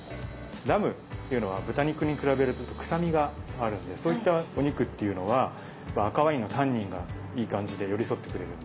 ラムっていうのは豚肉に比べると臭みがあるんでそういったお肉っていうのは赤ワインのタンニンがいい感じで寄り添ってくれるんで。